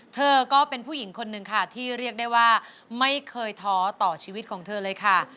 เธอก็เป็นผู้หญิงคนหนึ่งค่ะที่เรียกได้ว่าไม่เคยท้อต่อชีวิตของเธอเลยค่ะ